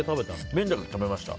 麺だけ食べました。